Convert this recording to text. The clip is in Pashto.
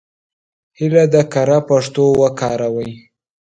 هیله ده کره پښتو وکاروئ.